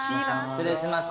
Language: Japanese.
失礼します。